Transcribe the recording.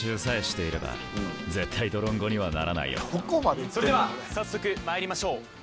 改めてそれでは早速まいりましょう